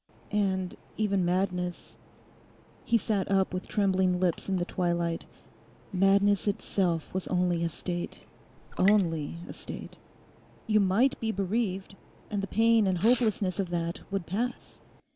And even madness—he sat up with trembling lips in the twilight—madness itself was only a state, only a state. You might be bereaved, and the pain and hopelessness of that would pass.